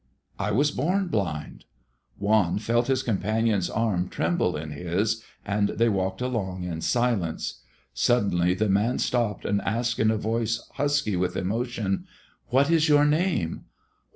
"I was born blind." Juan felt his companion's arm tremble in his, and they walked along in silence. Suddenly the man stopped and asked in a voice husky with emotion, "What is your name?"